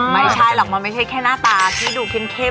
ไม่ใช่หรอกมันไม่ใช่แค่หน้าตาที่ดูเข้ม